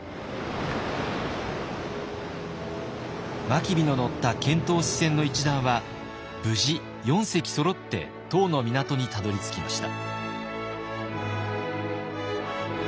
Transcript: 真備の乗った遣唐使船の一団は無事４隻そろって唐の港にたどりつきました。